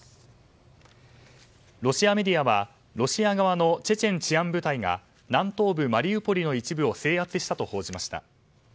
ロシアメディアはロシア側のチェチェン治安部隊が南東部マリウポリの一部を制圧したと報じました。